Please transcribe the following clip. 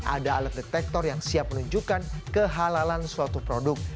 ada alat detektor yang siap menunjukkan kehalalan suatu produk